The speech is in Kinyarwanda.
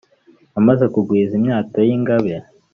amaze kugwiza imyato y' ingabe